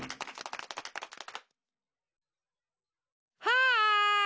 はい！